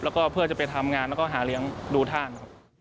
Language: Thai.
แล้วก็เพื่อจะไปทำงานแล้วก็หาเลี้ยงดูท่านครับ